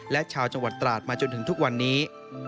และชาวจังหวัดตราดมาจนถึงทุกวันนี้